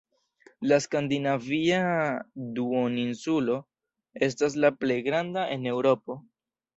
La Skandinavia duoninsulo estas la plej granda en Eŭropo.